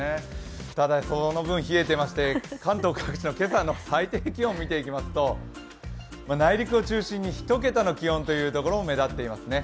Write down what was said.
ただその分冷えていまして関東各地の今朝の最低気温を見ていきますと内陸を中心に１桁の気温が目立っていますね。